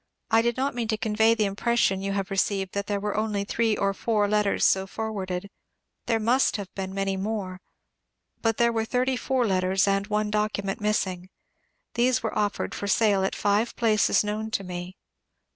I did not mean to convey the impression you have received that there were only ^^ three or four " letters so forwarded. There must have been many more. But there were thirty four letters and one document missing. These were offered for sale at five places known to me.